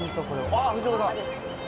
あっ、藤岡さん。